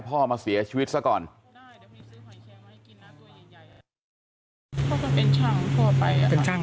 พอก็เป็นช่างพ่อไป